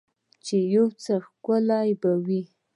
چې يو څه ښکلي به وو.